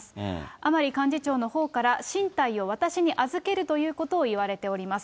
甘利幹事長のほうから進退を私に預けるということを言われております。